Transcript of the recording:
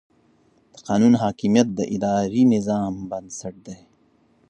د قانون حاکمیت د اداري نظام بنسټ دی.